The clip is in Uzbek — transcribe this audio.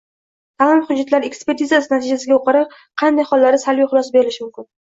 Ta’lim hujjatlari ekspertizasi natijasiga ko‘ra qanday hollarda salbiy xulosa berilishi mumkin?